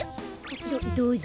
どどうぞ。